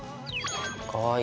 かわいい。